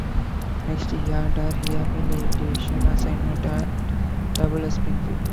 Next, he had a rehabilitation assignment at Double-A Springfield.